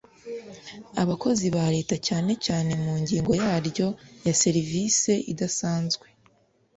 abakozi ba leta cyane cyane mu ngingo yaryo ya serivise idasanzwe